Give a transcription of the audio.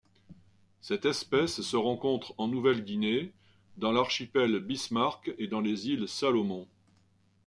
Cette espèce se rencontre en Nouvelle-Guinée, dans l'archipel Bismarck et dans les îles Salomon.